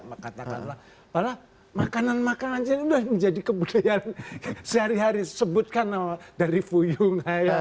makanan makanan itu sudah menjadi kebudayaan sehari hari sebutkan dari puyung